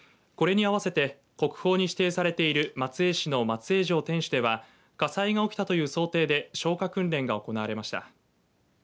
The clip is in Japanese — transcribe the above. これに合わせて、国宝に指定されている松江市の松江城天守では火災が起きたという想定で消火訓練が行われました。